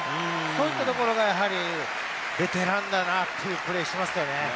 そういったところが、やはりベテランだなというプレーをしますよね。